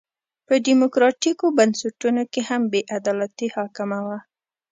په ډیموکراټیکو بنسټونو کې هم بې عدالتي حاکمه وه.